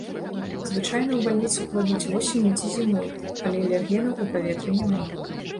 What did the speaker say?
Звычайна ў бальніцу кладуць восенню ці зімой, калі алергенаў у паветры няма.